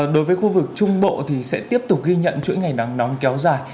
đối với khu vực trung bộ thì sẽ tiếp tục ghi nhận chuỗi ngày nắng nóng kéo dài